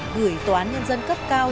gửi tòa nhân dân cấp cao